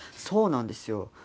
そうなんですよ。